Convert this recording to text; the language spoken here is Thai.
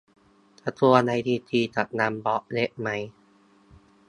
กระทรวงไอซีทีจะยังบล็อคเว็บไหม